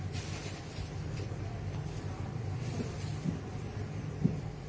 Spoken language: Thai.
ออกเพื่อแม่นักกับข้าว